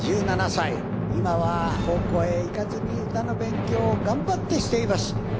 １７歳今は高校へ行かずに歌の勉強を頑張ってしています。